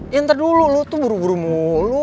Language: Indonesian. iya ntar dulu lo tuh buru buru mulu